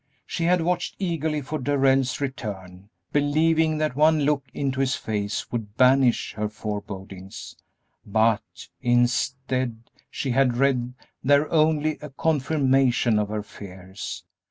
She had watched eagerly for Darrell's return, believing that one look into his face would banish her forebodings, but, instead, she had read there only a confirmation of her fears.